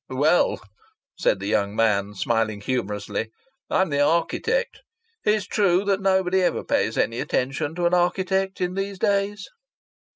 "Well," said the young man, smiling humorously, "I'm the architect. It's true that nobody ever pays any attention to an architect in these days."